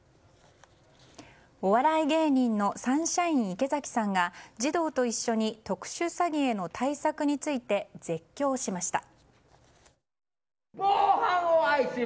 お笑い芸人のサンシャイン池崎さんが児童と一緒に特殊詐欺への対策について絶叫しました。